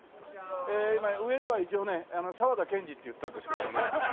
え今上では一応ね沢田研二って言ったんですけどね。